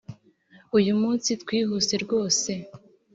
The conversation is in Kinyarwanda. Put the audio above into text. Uyu munsi twihuse rwose